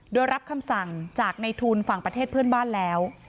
โดยรับคำสั่งจากในทุนฝั่งประเทศเพื่อนบ้านแล้ว